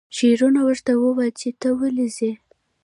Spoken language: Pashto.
شیرینو ورته وویل چې ته ولې ځې.